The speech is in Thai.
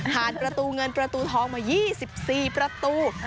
ประตูเงินประตูทองมา๒๔ประตู